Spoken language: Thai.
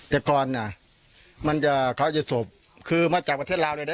แต่ก่อนน่ะมันจะเขาจะศพคือมาจากประเทศลาวเลยนะ